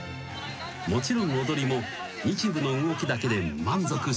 ［もちろん踊りも日舞の動きだけで満足しない］